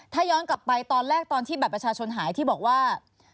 ถ้าย้อนกลับไปตอนแรกตอนที่บัตรประชาชนหายที่บอกว่า